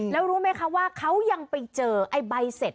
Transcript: แล้วรู้ไหมคะว่าเขายังไปเจอไอ้ใบเสร็จ